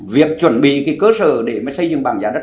việc chuẩn bị cơ sở để xây dựng bảng giá đất